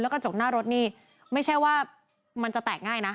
กระจกหน้ารถนี่ไม่ใช่ว่ามันจะแตกง่ายนะ